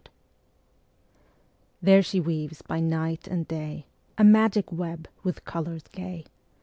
PART II There she weaves by night and day A magic web with colours gay.